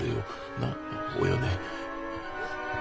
なおよね。